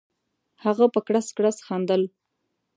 هغه په کړس کړس خندل.